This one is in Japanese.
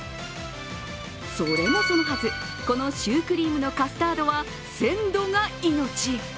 それもそのはず、このシュークリームのカスタードは鮮度が命。